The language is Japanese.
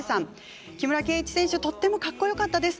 木村敬一選手とってもかっこよかったです。